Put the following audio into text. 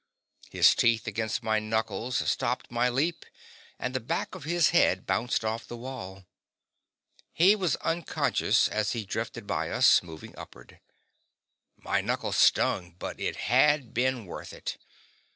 His teeth against my knuckles stopped my leap, and the back of his head bounced off the wall. He was unconscious as he drifted by us, moving upwards. My knuckles stung, but it had been worth it.